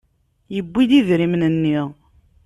Yewwi-d idrimen-nni.